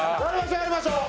やりましょう！